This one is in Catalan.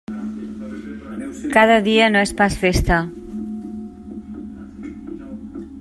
Cada dia no és pas festa.